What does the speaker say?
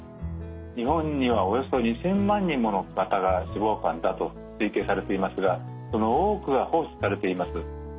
日本にはおよそ２，０００万人もの方が脂肪肝だと推計されていますがその多くは放置されています。